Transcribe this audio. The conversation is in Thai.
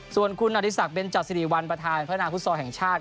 ส่วนคุณอริสักเบนจัดสิริวัลประธานพัฒนาฟุตซอลแห่งชาติ